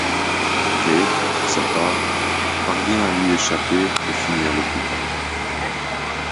Ray, pour sa part, parvient à lui échapper et finit à l'hôpital.